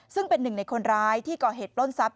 ซึ่งเป็นหนึ่งในคนร้ายที่ก่อเหตุปล้นทรัพย